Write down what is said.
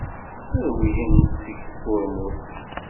Rewlen-d seg tkurmut.